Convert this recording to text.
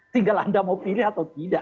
tinggal anda mau pilih atau tidak